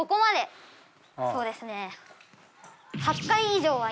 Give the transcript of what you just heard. そうですね。